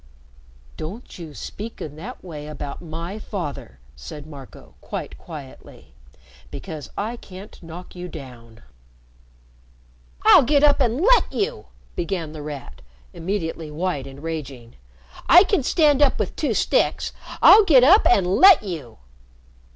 "Don't you speak in that way about my father," said Marco, quite quietly, "because I can't knock you down." "I'll get up and let you!" began The Rat, immediately white and raging. "I can stand up with two sticks. I'll get up and let you!"